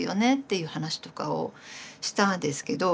いう話とかをしたんですけど。